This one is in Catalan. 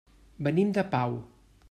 Venim de Pau.